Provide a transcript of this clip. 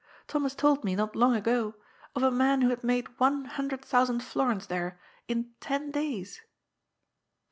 Thomas told me, not long ago, of a man who had made one hundred thousand florins there in ten days."